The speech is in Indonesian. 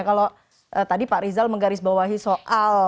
kalau tadi pak rizal menggarisbawahi soal